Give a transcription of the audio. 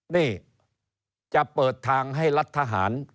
นี่จะเปิดทางให้รัฐทหาร